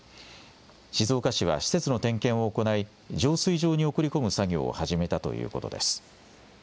静岡市は施設の点検を行い、浄水場に送り込む作業を始めたということです。